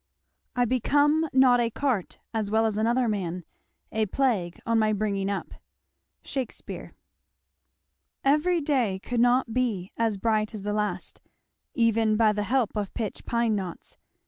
I become not a cart as well as another man, a plague on my bringing up. Shakspeare. Every day could not be as bright as the last, even by the help of pitch pine knots.